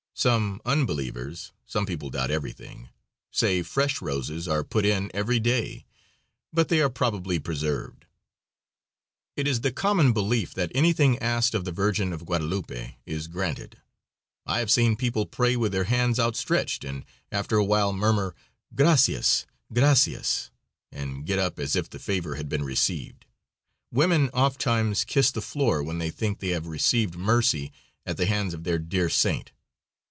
Some unbelievers (some people doubt everything) say fresh roses are put in every day, but they are probably preserved. It is the common belief that anything asked of the Virgin of Guadalupe is granted. I have seen people pray with their hands outstretched, and after awhile murmur, "Gracious, gracious!" and get up as if the favor had been received. Women ofttimes kiss the floor when they think they have received mercy at the hands of their dear saint.